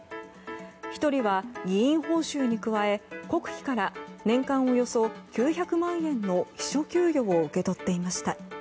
１人は議員報酬に加え、国費から年間およそ９００万円の秘書給与を受け取っていました。